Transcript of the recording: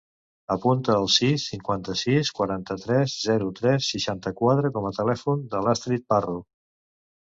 Apunta el sis, cinquanta-sis, quaranta-tres, zero, tres, seixanta-quatre com a telèfon de l'Astrid Parro.